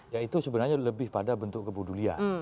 ya itu sebenarnya lebih pada bentuk kepedulian